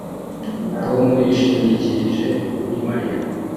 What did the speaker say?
Tom yishingikirije kuri Mariya